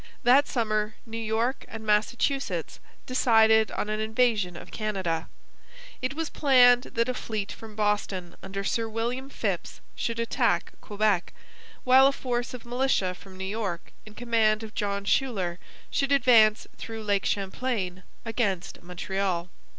That summer New York and Massachusetts decided on an invasion of Canada. It was planned that a fleet from Boston under Sir William Phips should attack Quebec, while a force of militia from New York in command of John Schuyler should advance through Lake Champlain against Montreal.